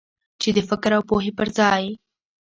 چې د فکر او پوهې پر ځای.